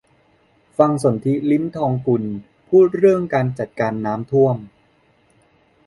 ฟังสนธิ ลิ้มทองกุล พูดเรื่องการจัดการน้ำท่วม